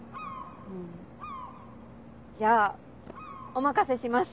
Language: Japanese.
うんじゃあお任せします。